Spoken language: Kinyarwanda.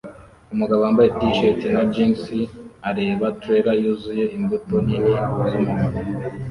Umugabo wambaye t-shirt na jeans areba trailer yuzuye imbuto nini z'umuhondo